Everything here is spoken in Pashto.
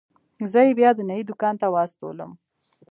زه يې بيا د نايي دوکان ته واستولم.